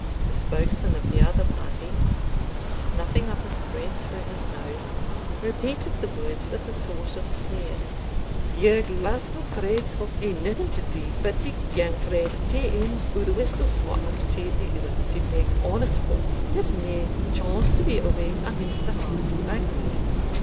The spokesman of the other party, snuffing up his breath through his nose, repeated the words with a sort of sneer; "You Glasgow tradesfolks hae naething to do but to gang frae the tae end o' the west o' Scotland to the ither, to plague honest folks that may chance to be awee ahint the hand, like me."